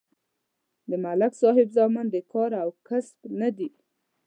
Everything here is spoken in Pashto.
د ملک صاحب زامن د کار او کسب نه دي